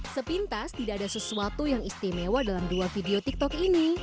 sepintas tidak ada sesuatu yang istimewa dalam dua video tiktok ini